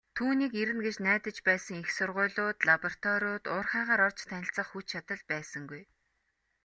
Түүнийг ирнэ гэж найдаж байсан их сургуулиуд, лабораториуд, уурхайгаар орж танилцах хүч чадал байсангүй.